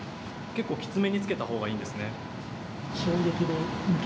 結構、きつめに着けたほうがいいんですね。